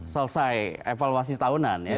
selesai evaluasi tahunan ya